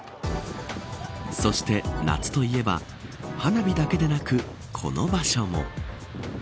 そして夏といえば花火だけでなくこの場所も。